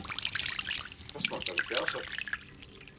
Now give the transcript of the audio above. Kas man tagad jāsaka?